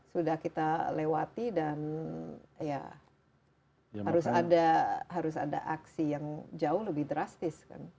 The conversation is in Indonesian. sudah kita lewati dan ya harus ada aksi yang jauh lebih drastis kan